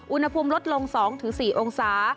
อุณหภูมิลดลง๒๔องศา